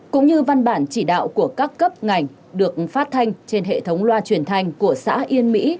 cũng như văn bản chỉ đạo của các cấp ngành được phát thanh trên hệ thống loa truyền thanh của xã yên mỹ